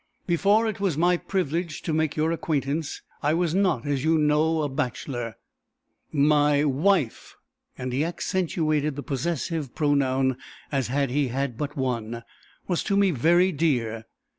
Before it was my privilege to make your acquaintance I was not, as you know, a bachelor; my wife" and he accentuated the possessive pronoun as had he had but one "was to me very dear.